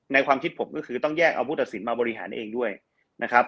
ความคิดผมก็คือต้องแยกเอาผู้ตัดสินมาบริหารเองด้วยนะครับ